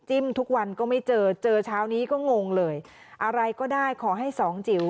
ทุกวันก็ไม่เจอเจอเช้านี้ก็งงเลยอะไรก็ได้ขอให้สองจิ๋ว